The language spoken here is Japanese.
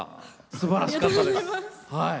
すばらしかったです。